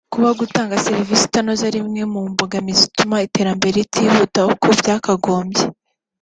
Kuba gutanga serivisi itanoze ari imwe mu mbogamizi zituma iterambere ritihuta uko byakagombye